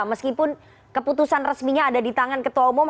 meskipun keputusan resminya ada di tangan ketua umum